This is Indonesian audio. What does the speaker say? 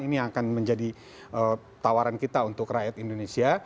ini yang akan menjadi tawaran kita untuk rakyat indonesia